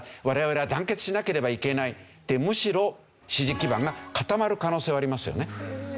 我々は団結しなければいけないってむしろ支持基盤が固まる可能性はありますよね。